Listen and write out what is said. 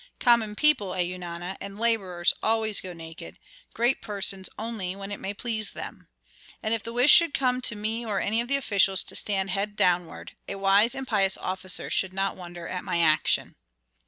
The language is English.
Common people, Eunana, and laborers always go naked; great persons only when it may please them. And if the wish should come to me or any of the officials to stand head downward, a wise and pious officer should not wonder at my action."